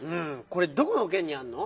これどこのけんにあんの？